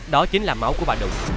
đó chính là máu của bà đũng